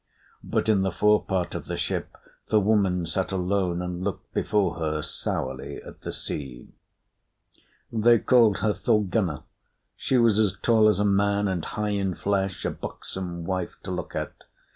But in the fore part of the ship, the woman sat alone, and looked before her sourly at the sea. They called her Thorgunna. She was as tall as a man and high in flesh, a buxom wife to look at.